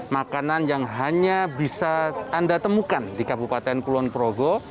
makanan yang hanya bisa anda temukan di kabupaten kulon progo